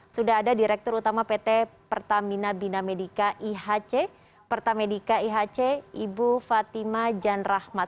sudah ada direktur utama pt pertamina bina medica ihc pertamedika ihc ibu fatima jan rahmat